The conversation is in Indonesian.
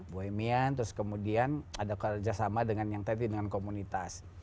boemian terus kemudian ada kerjasama dengan yang tadi dengan komunitas